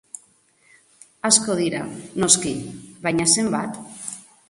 Asko dira, noski, baina, zenbat?